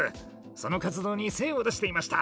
その活動に精を出していました。